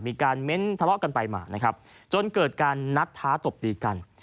มีการเม้นทะเลาะกันไปมานะครับจนเกิดการนัดท้าตบตีกัน